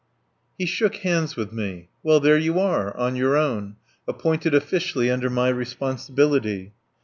II He shook hands with me: "Well, there you are, on your own, appointed officially under my responsibility."